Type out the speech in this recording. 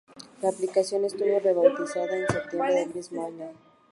La aplicación estuvo rebautizada en septiembre del mismo año.